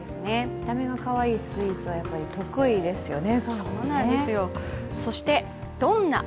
見た目がかわいいスイーツ、得意ですよね。